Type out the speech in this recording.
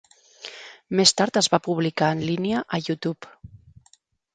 Més tard es va publicar en línia a YouTube.